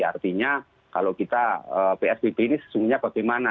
artinya kalau kita psbb ini sesungguhnya bagaimana